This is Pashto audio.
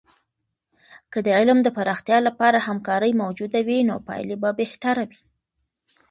که د علم د پراختیا لپاره همکارۍ موجودې وي، نو پایلې به بهتره وي.